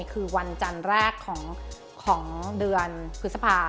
คือวันจันทร์แรกของเดือนพฤษภา